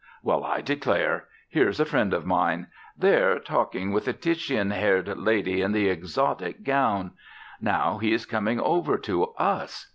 Well, I declare! Here's a friend of mine there, talking with the Titian haired lady in the exotic gown. Now, he is coming over to us.